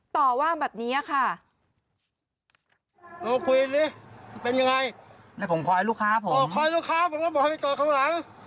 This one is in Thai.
แล้วบอกให้ไปจอดข้างหลัง